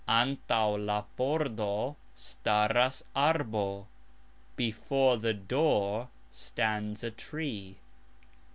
"Antaux la pordo" staras arbo, "Before the door" stands a tree.